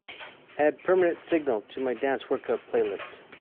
Add Permanent Signal to my dance workout playlist.